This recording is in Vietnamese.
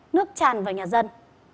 nước tràn vào nhà dân